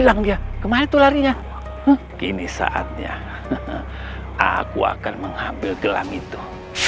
ulang dia ke moneyété larinya kini saatnya aku akan mengambil gelang itu